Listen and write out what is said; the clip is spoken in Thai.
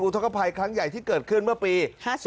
ทกภัยครั้งใหญ่ที่เกิดขึ้นเมื่อปี๕๔